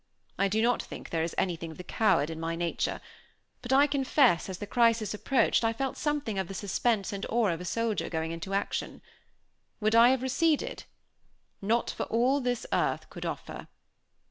I do not think there is anything of the coward in my nature; but I confess, as the crisis approached, I felt something of the suspense and awe of a soldier going into action. Would I have receded? Not for all this earth could offer.